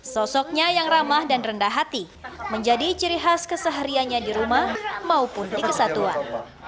sosoknya yang ramah dan rendah hati menjadi ciri khas kesehariannya di rumah maupun di kesatuan